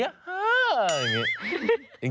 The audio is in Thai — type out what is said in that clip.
อย่างนี้